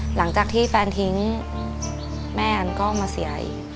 หลังจากที่แฟนทิ้งแม่อันก็มาเสียอีก